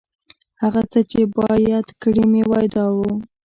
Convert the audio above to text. هغه څه چې باید کړي مې وای، دا و.